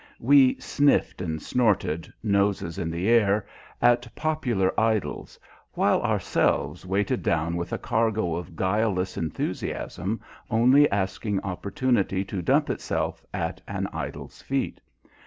We sniffed and snorted, noses in air, at popular idols, while ourselves weighted down with a cargo of guileless enthusiasm only asking opportunity to dump itself at an idol's feet.